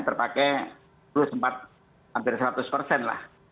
terpakai dua puluh empat hampir seratus persen lah